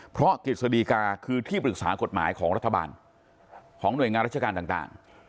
เพราะกฤษฎีกาคือที่ปรึกษากฎหมายของรัฐบาลของหน่วยงานราชการต่าง